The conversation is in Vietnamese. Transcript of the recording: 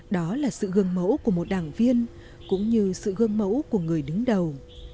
đó là sự gương mẫu của một đảng viên cũng như sự gương mẫu của người đứng đầu